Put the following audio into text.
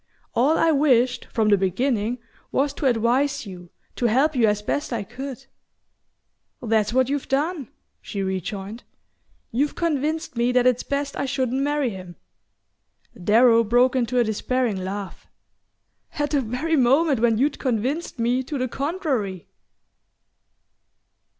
All I wished, from the beginning, was to advise you, to help you as best I could " "That's what you've done," she rejoined. "You've convinced me that it's best I shouldn't marry him." Darrow broke into a despairing laugh. "At the very moment when you'd convinced me to the contrary!"